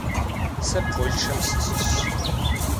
Сэ Полъшэм сыщыщщ.